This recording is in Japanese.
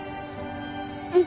うん。